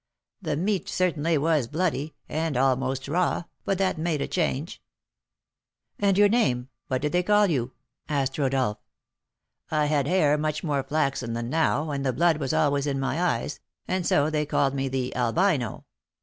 The meat certainly was bloody, and almost raw, but that made a change." "And your name? What did they call you?" asked Rodolph. "I had hair much more flaxen than now, and the blood was always in my eyes, and so they called me the 'Albino.'